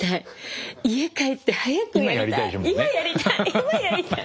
今やりたい